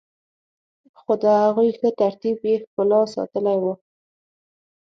خو د هغوی ښه ترتیب يې ښکلا ساتلي وه.